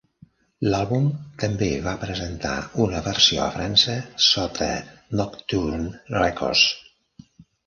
L'àlbum també va presentar una versió a França sota Nocturne Records.